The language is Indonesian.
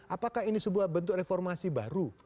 apakah ini sebuah bentuk reformasi baru